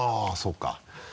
あぁそうか。